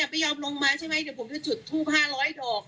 ไม่ยอมลงมาใช่ไหมเดี๋ยวผมจะจุดทูป๕๐๐ดอก